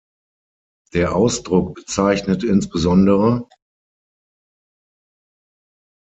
Der Ausdruck bezeichnet insbesondere